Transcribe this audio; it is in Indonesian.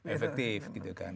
efektif gitu kan